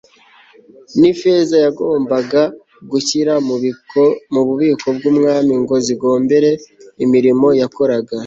ni feza yagombaga gushyira mu bubiko bw'umwami, ngo zigombore imirimo yakoraga